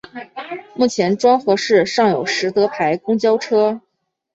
目前庄河市尚有实德牌公交车。